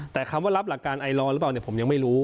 แต่คำว่ารับหลักการไอลอหรือเปล่าผมยังไม่รู้